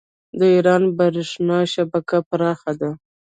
د ایران بریښنا شبکه پراخه ده.